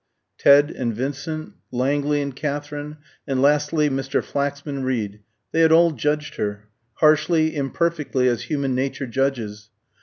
Ted and Vincent, Langley and Katherine, and lastly Mr. Flaxman Reed, they had all judged her harshly, imperfectly, as human nature judges.